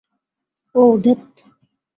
ওউ, ধ্যাৎ।